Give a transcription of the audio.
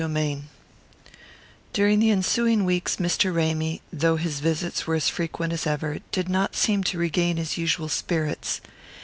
VII During the ensuing weeks Mr. Ramy, though his visits were as frequent as ever, did not seem to regain his usual spirits.